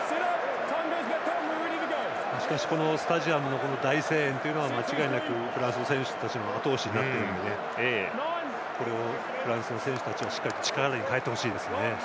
しかしスタジアムのこの大声援は間違いなくフランスの選手たちのあと押しになっているのでこれをフランスの選手たちは力に変えてほしいですね。